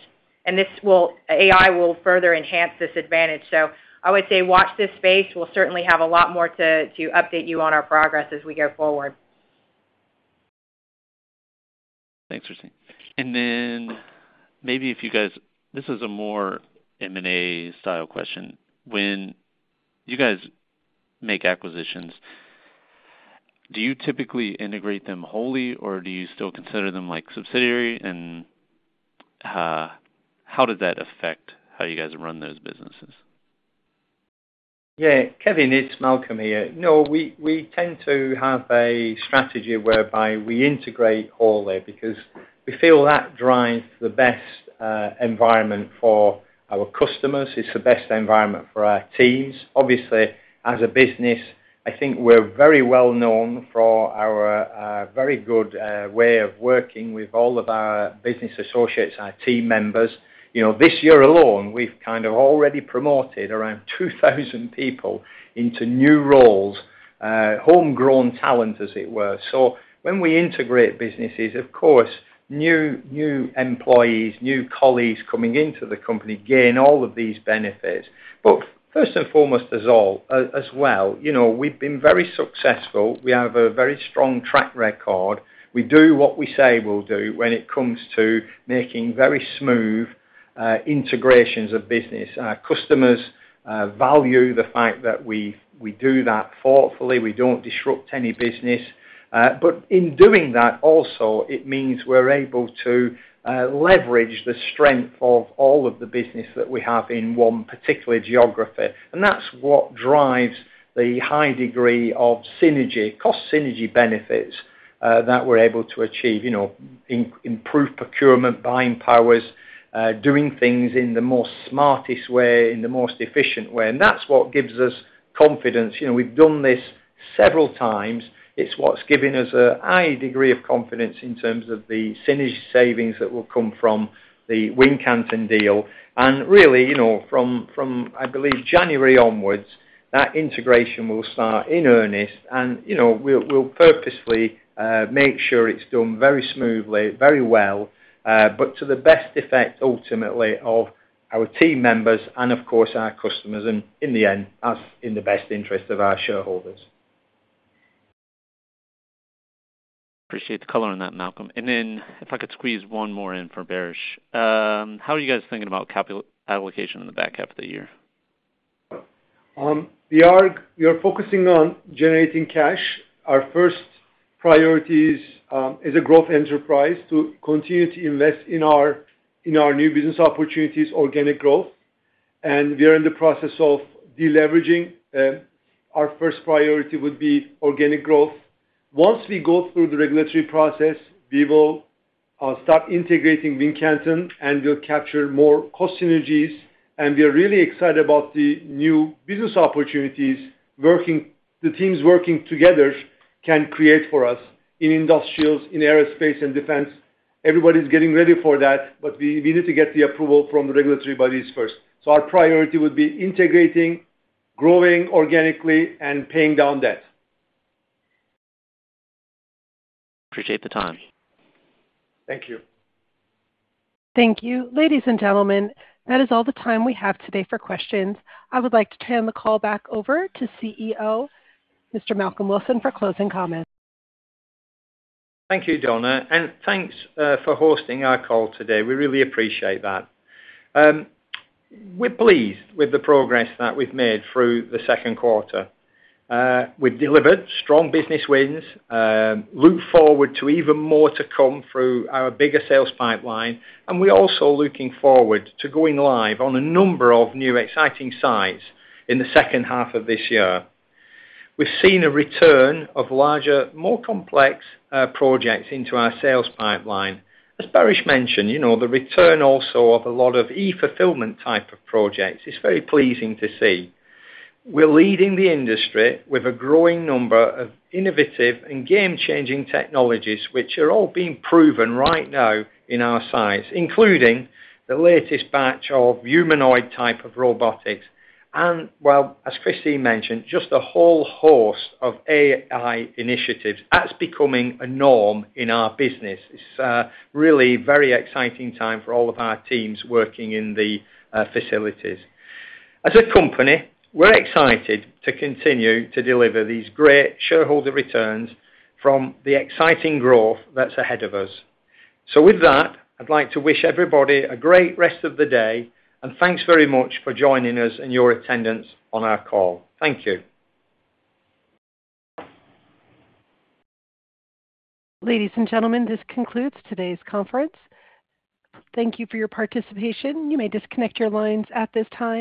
and this will... AI will further enhance this advantage. So I would say watch this space. We'll certainly have a lot more to, to update you on our progress as we go forward. Thanks, Kristine. Then maybe if you guys... This is a more M&A style question. When you guys make acquisitions, do you typically integrate them wholly, or do you still consider them, like, subsidiary? And how does that affect how you guys run those businesses? ... Yeah, Kevin, it's Malcolm here. No, we tend to have a strategy whereby we integrate all there, because we feel that drives the best environment for our customers. It's the best environment for our teams. Obviously, as a business, I think we're very well known for our very good way of working with all of our business associates, our team members. You know, this year alone, we've kind of already promoted around 2,000 people into new roles, homegrown talent, as it were. So when we integrate businesses, of course, new employees, new colleagues coming into the company gain all of these benefits. But first and foremost, as well, you know, we've been very successful. We have a very strong track record. We do what we say we'll do when it comes to making very smooth integrations of business. Our customers value the fact that we, we do that thoughtfully, we don't disrupt any business. But in doing that, also, it means we're able to leverage the strength of all of the business that we have in one particular geography. And that's what drives the high degree of synergy, cost synergy benefits, that we're able to achieve. You know, improved procurement, buying powers, doing things in the most smartest way, in the most efficient way, and that's what gives us confidence. You know, we've done this several times. It's what's given us a high degree of confidence in terms of the synergy savings that will come from the Wincanton deal. Really, you know, from, I believe, January onwards, that integration will start in earnest, and, you know, we'll purposefully make sure it's done very smoothly, very well, but to the best effect, ultimately, of our team members and, of course, our customers, and in the end, us, in the best interest of our shareholders. Appreciate the color on that, Malcolm. And then, if I could squeeze one more in for Baris. How are you guys thinking about capital allocation in the back half of the year? We are focusing on generating cash. Our first priority is, as a growth enterprise, to continue to invest in our new business opportunities, organic growth, and we are in the process of deleveraging. Our first priority would be organic growth. Once we go through the regulatory process, we will start integrating Wincanton, and we'll capture more cost synergies. And we are really excited about the new business opportunities, working, the teams working together can create for us in industrials, in aerospace and defense. Everybody's getting ready for that, but we need to get the approval from the regulatory bodies first. So our priority would be integrating, growing organically, and paying down debt. Appreciate the time. Thank you. Thank you. Ladies and gentlemen, that is all the time we have today for questions. I would like to turn the call back over to CEO, Mr. Malcolm Wilson, for closing comments. Thank you, Donna, and thanks for hosting our call today. We really appreciate that. We're pleased with the progress that we've made through the second quarter. We've delivered strong business wins, look forward to even more to come through our bigger sales pipeline, and we're also looking forward to going live on a number of new exciting sites in the second half of this year. We've seen a return of larger, more complex projects into our sales pipeline. As Baris mentioned, you know, the return also of a lot of e-fulfillment type of projects is very pleasing to see. We're leading the industry with a growing number of innovative and game-changing technologies, which are all being proven right now in our sites, including the latest batch of humanoid type of robotics. Well, as Kristine mentioned, just a whole host of AI initiatives, that's becoming a norm in our business. It's a really very exciting time for all of our teams working in the facilities. As a company, we're excited to continue to deliver these great shareholder returns from the exciting growth that's ahead of us. So with that, I'd like to wish everybody a great rest of the day, and thanks very much for joining us and your attendance on our call. Thank you. Ladies and gentlemen, this concludes today's conference. Thank you for your participation. You may disconnect your lines at this time.